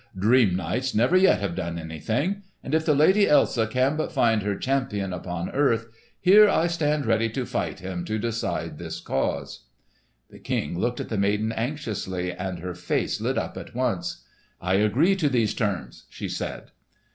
"Dream knights never yet have done anything; and if the Lady Elsa can but find her champion upon earth, here I stand ready to fight him to decide this cause." The King looked at the maiden anxiously, and her face lit up at once. "I agree to these terms," she said.